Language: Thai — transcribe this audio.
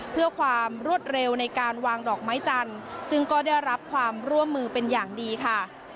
เพื่อความรวดเร็วในการวางดอกไม้จันทร์ซึ่งก็ได้รับความร่วมมือเป็นอย่างดีค่ะ